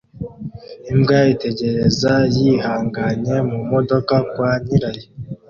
Imbwa itegereza yihanganye mumodoka kwa nyirayo